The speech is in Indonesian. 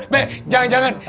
bek jangan jangan